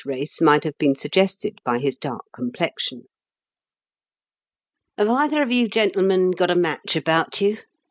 race might have been suggested by his dark complexion. "Have either of you gentlemen got a match about you ?